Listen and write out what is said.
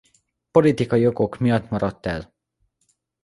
Politikai okok miatt maradt el.